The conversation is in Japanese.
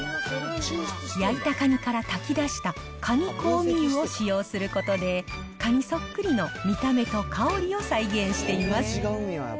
焼いたカニから炊き出した、カニ香味油を使用することで、カニそっくりの見た目と香りを再現しています。